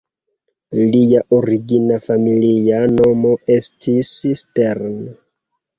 Lia origina familia nomo estis Stern".